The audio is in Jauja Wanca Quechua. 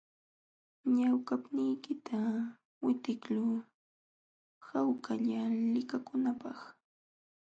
Ñawpaqniiypiqta witiqluy hawkalla likakunaapaq.